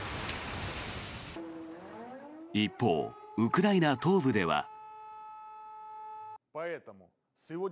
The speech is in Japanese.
一方、ウクライナ東部では。